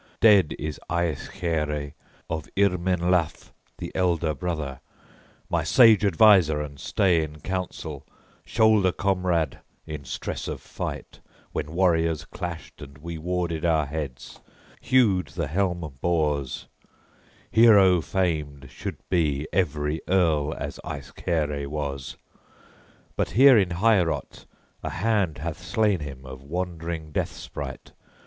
Dead is Aeschere, of Yrmenlaf the elder brother, my sage adviser and stay in council, shoulder comrade in stress of fight when warriors clashed and we warded our heads, hewed the helm boars; hero famed should be every earl as Aeschere was! But here in Heorot a hand hath slain him of wandering death sprite.